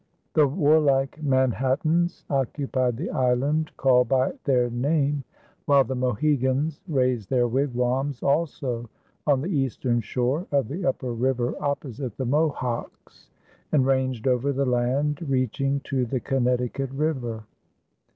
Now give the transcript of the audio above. The warlike Manhattans occupied the island called by their name, while the Mohegans raised their wigwams also on the eastern shore of the upper river opposite the Mohawks, and ranged over the land reaching to the Connecticut River.